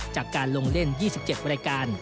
จากการลงเล่น๒๗รายการ